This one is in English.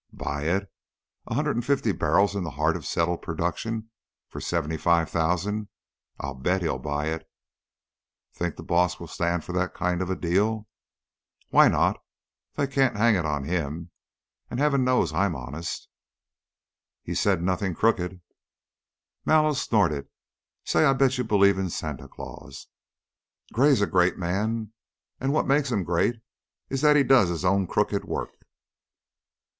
"Buy it? A hundred and fifty barrels in the heart of settled production for seventy five thousand? I bet he'll buy it." "Think the boss will stand for that kind of a deal?" "Why not? They can't hang it on him, and Heaven knows I'm honest." "He said 'nothing crooked' " Mallow snorted. "Say, I bet you believe in Santa Claus! Gray's a great man, and what makes him great is that he does his own crooked work."